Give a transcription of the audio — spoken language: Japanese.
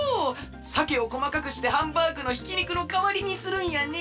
さけをこまかくしてハンバーグのひきにくのかわりにするんやね。